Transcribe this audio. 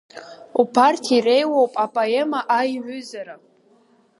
Убарҭ иреиуоуп апоема Аиҩызара.